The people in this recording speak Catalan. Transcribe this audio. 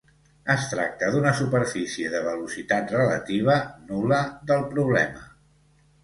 Es tracta d'una superfície de velocitat relativa nul·la del problema.